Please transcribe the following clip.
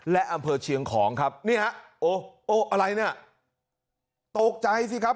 และอำเภอเชียงของครับนี่ฮะโอ้อะไรเนี่ยตกใจสิครับ